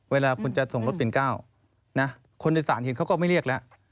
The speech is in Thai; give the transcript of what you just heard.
เวลาคุณจะส่งรถเปลี่ยนกล้าวคนในศาลเขาก็ไม่เรียกแล้ว